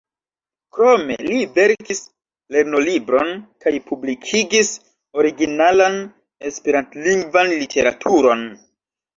Krome, li verkis lernolibron kaj publikigis originalan esperantlingvan literaturon.